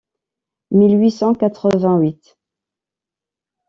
mille huit cent quatre-vingt-huit.